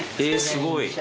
えすごい。